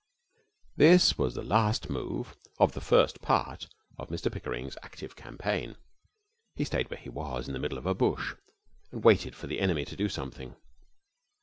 This was the last move of the first part of Mr Pickering's active campaign. He stayed where he was, in the middle of a bush, and waited for the enemy to do something.